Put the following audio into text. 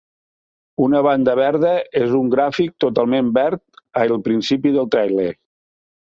Una "banda verda" és un gràfic totalment verd a el principi del tràiler.